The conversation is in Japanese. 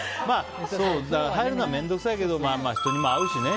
入るのは面倒くさいけど人にも会うしね。